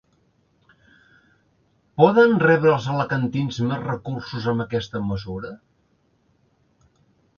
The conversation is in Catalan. Poden rebre els alacantins més recursos amb aquesta mesura?